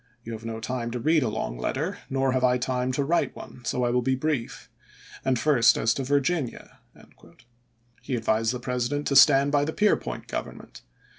You have no time to read a long letter, nor have I time to write one, so I will be brief. And first as to Virginia." He advised the President to stand by the Peirpoint government.